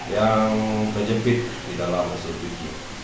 yang terjepit di dalam mesin cuci